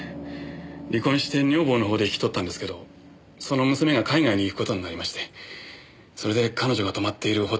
離婚して女房の方で引き取ったんですけどその娘が海外に行く事になりましてそれで彼女が泊まっているホテルに。